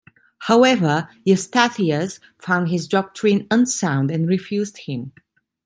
However, Eustathius found his doctrine unsound and refused him.